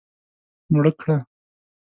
مړه کړه